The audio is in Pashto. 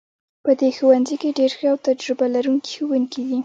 په دې ښوونځي کې ډیر ښه او تجربه لرونکي ښوونکي دي